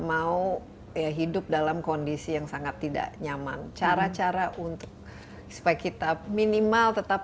mau ya hidup dalam kondisi yang sangat tidak nyaman cara cara untuk supaya kita minimal tetap